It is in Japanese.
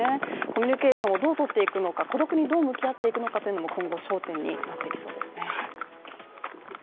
コミュニケーションをどうとっていくのか孤独にどう向き合っていくのかというのも今後、焦点になってきそうですね。